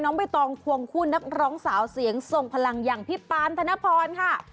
ใบตองควงคู่นักร้องสาวเสียงทรงพลังอย่างพี่ปานธนพรค่ะ